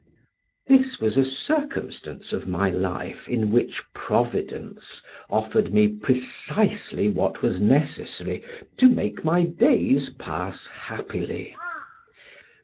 This was a circumstance of my life in which Providence offered me precisely what was necessary to make my days pass happily.